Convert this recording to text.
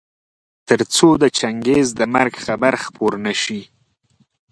تر څو د چنګېز د مرګ خبر خپور نه شي.